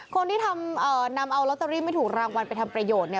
คนที่นำเอาลอตเตอรี่ไม่ถูกรางวัลไปทำประโยชน์เนี่ย